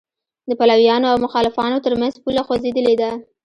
د پلویانو او مخالفانو تر منځ پوله خوځېدلې ده.